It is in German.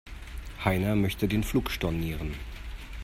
Heiner möchte den Flug stornieren.